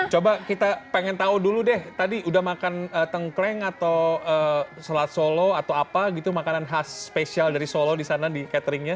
coba kita pengen tahu dulu deh tadi udah makan tengkleng atau selat solo atau apa gitu makanan khas spesial dari solo di sana di cateringnya